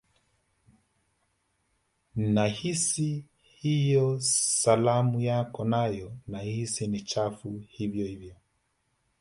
Nahisi hiyo salamu yako nayo nahisi ni chafu hivyo hivyo